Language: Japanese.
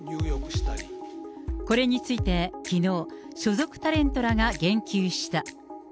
これについてきのう、所属タレントらが言及した。